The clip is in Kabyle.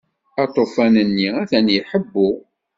Aṭufan-nni atan iḥebbu.